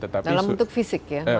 dalam bentuk fisik ya